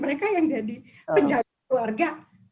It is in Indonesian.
mereka yang jadi penjaga keluarga